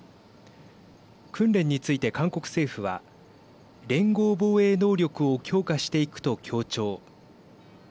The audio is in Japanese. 訓練について韓国政府は連合防衛能力を強化していくと強調。